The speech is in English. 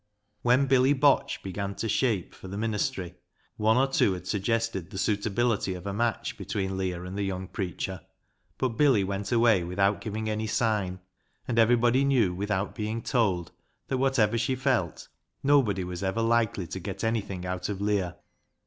When Billy Botch began to " shape " for the ministry, one or two had suggested the suitability of a match between Leah and the young preacher ; but Billy v/ent away without giving any sign, and everybody knew without being told that, whatever she felt, nobody was ever likely to get anything out of Leah.